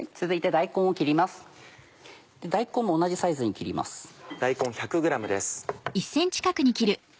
大根も同じサイズに切ります。